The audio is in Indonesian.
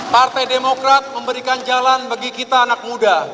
partai demokrat memberikan jalan bagi kita anak muda